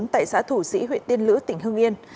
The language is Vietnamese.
tại xã thủ sĩ huyện tiên lữ tỉnh hương yên